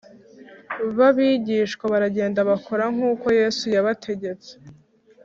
Ba bigishwa baragenda bakora nk’uko Yesu yabategetse